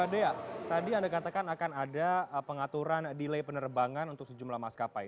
dea tadi anda katakan akan ada pengaturan delay penerbangan untuk sejumlah maskapai